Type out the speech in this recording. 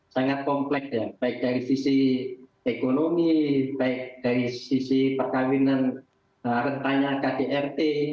sangat komplek ya baik dari sisi ekonomi baik dari sisi perkawinan rentanya kdrt